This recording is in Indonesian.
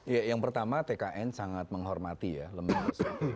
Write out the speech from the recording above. ya yang pertama tkn sangat menghormati ya lembaga